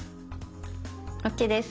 ＯＫです。